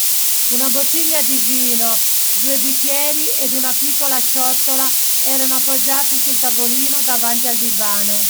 Una bottiglia di vino, due bicchieri ed una piccola ciotola erano appoggiati sul tavolino davanti al divano.